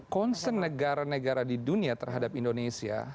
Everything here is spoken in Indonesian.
concern negara negara di dunia terhadap indonesia